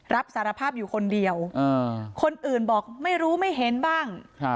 รับสารภาพอยู่คนเดียวคนอื่นบอกไม่รู้ไม่เห็นบ้าง